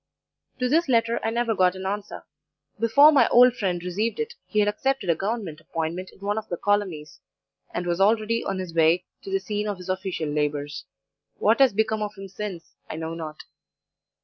To this letter I never got an answer; before my old friend received it, he had accepted a Government appointment in one of the colonies, and was already on his way to the scene of his official labours. What has become of him since, I know not.